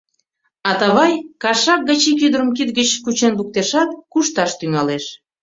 Атавай кашак гыч ик ӱдырым кид гыч кучен луктешат, кушташ тӱҥалеш.